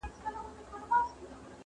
زما له زخمي کابله ویني څاڅي٫